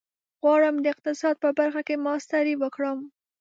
غواړم د اقتصاد په برخه کې ماسټري وکړم.